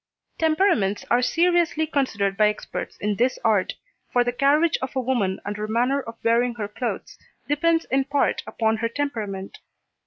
Temperaments are seriously considered by experts in this art, for the carriage of a woman and her manner of wearing her clothes depends in part upon her temperament.